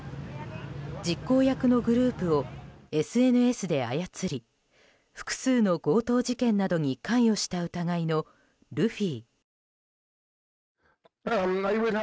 実行役のグループをＳＮＳで操り複数の強盗事件などに関与した疑いのルフィ。